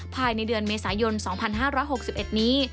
ภายในเดือนเมษายน๒๕๖๑นี้